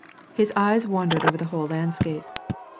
His eyes wandered over the whole landscape.